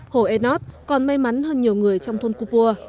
hồ enot còn may mắn hơn nhiều người trong thôn cô pua